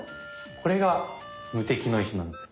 これが無敵の石なんです。